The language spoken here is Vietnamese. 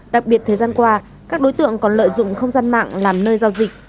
đặc biệt thời gian qua các đối tượng còn lợi dụng không gian mạng làm nơi giao dịch